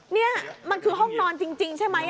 นี่มันคือห้องนอนจริงใช่ไหม